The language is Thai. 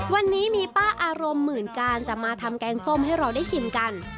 วันนี้มีป้าอารมณ์หมื่นการจะมาทำแกงส้มให้เราได้ชิมกัน